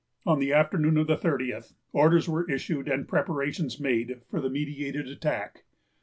On the afternoon of the thirtieth, orders were issued and preparations made for the meditated attack.